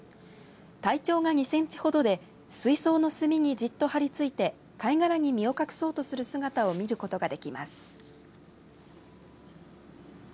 体長が２センチほどで水槽の隅にじっと張り付いて貝殻に身を隠そうとする姿を見ることができます。